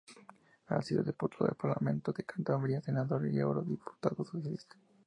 Ha sido diputado del Parlamento de Cantabria, senador y eurodiputado socialista.